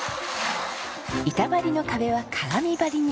板張りの壁は鏡張りに。